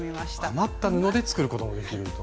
余った布で作ることもできると。